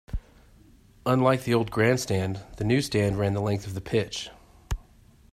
Unlike the old grandstand, the new stand ran the length of the pitch.